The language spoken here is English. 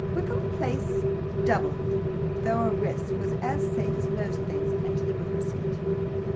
Wickham Place, W., though a risk, was as safe as most things, and he would risk it.